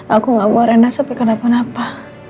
aku gak mau rena sampai kenapa napa